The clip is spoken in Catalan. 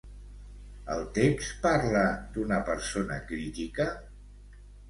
El text parla d'una persona crítica?